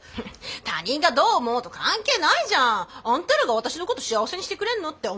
他人がどう思おうと関係ないじゃん！あんたらが私のこと幸せにしてくれんの？って思うし。